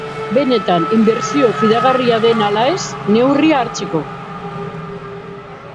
Benetan inbertsio fidagarria den ala ez, neurria hartzeko.